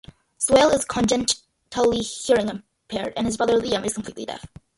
Swail is congenitally hearing-impaired, and his brother Liam is completely deaf.